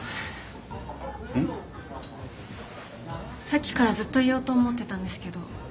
さっきからずっと言おうと思ってたんですけど。